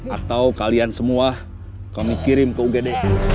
atau kalian semua kami kirim ke ugd